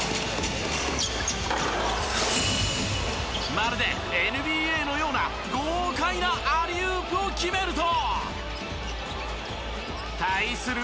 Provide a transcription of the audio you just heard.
まるでＮＢＡのような豪快なアリウープを決めると。対する